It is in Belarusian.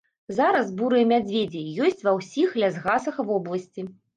Зараз бурыя мядзведзі ёсць ва ўсіх лясгасах вобласці.